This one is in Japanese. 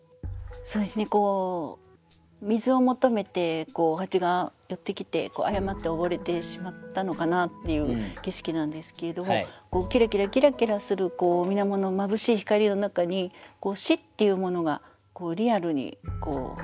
そうですね水を求めて蜂が寄ってきて誤って溺れてしまったのかなっていう景色なんですけれどもキラキラキラキラするみなものまぶしい光の中に「死」っていうものがリアルに。